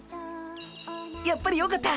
やっぱりよかった。